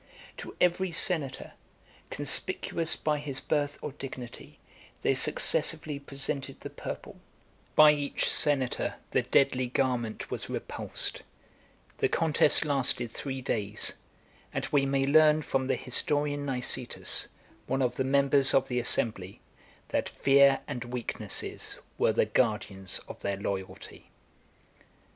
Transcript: To every senator, conspicuous by his birth or dignity, they successively presented the purple: by each senator the deadly garment was repulsed: the contest lasted three days; and we may learn from the historian Nicetas, one of the members of the assembly, that fear and weaknesses were the guardians of their loyalty.